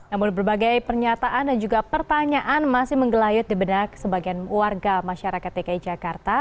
namun berbagai pernyataan dan juga pertanyaan masih menggelayut di benak sebagian warga masyarakat dki jakarta